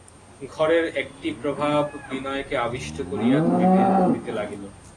ঘরের একটি প্রভাব বিনয়কে আবিষ্ট করিয়া ধরিতে লাগিল।